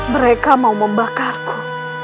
mereka mau membakarku